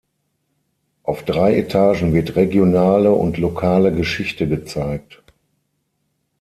Auf drei Etagen wird regionale und lokale Geschichte gezeigt.